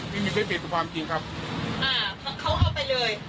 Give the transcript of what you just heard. ไม่มีเป็นเป็นสุดความจริงครับอ่าเขาเอาไปเลย